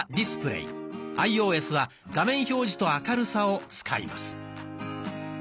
アイオーエスは「画面表示と明るさ」を使います。